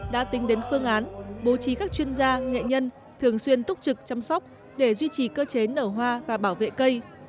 đã tính đến phương án bố trí các chuyên gia nghệ nhân thường xuyên túc trực chăm sóc để duy trì cơ chế nở hoa và bảo vệ cây